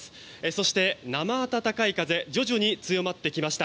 そして、生暖かい風徐々に強まってきました。